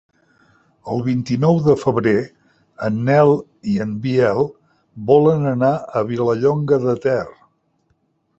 El vint-i-nou de febrer en Nel i en Biel volen anar a Vilallonga de Ter.